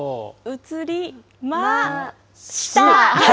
映りました。